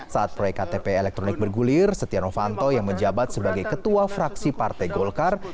saat proyek ktp elektronik bergulir setia novanto yang menjabat sebagai ketua fraksi partai golkar